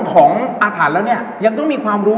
ของอาถรรพ์แล้วเนี่ยยังต้องมีความรู้